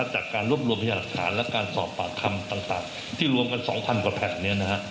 จากการรวบรวมพยานบุคคลบนและการสอบปากคำต่างที่รวมกัน๒๐๐๐กว่าแผ่น